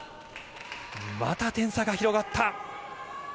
また点差が広がった。